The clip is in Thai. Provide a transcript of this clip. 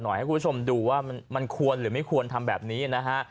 ให้คุณผู้ชมดูว่ามันควรหรือไม่ควรทำแบบนี้นะฮะ